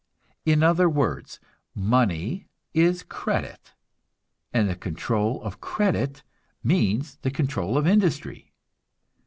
In other words, money is credit; and the control of credit means the control of industry.